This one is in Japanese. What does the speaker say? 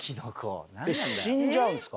死んじゃうんすか？